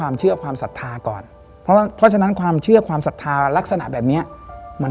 เมื่อกี้อยู่อยู่กำไรผมก็หัก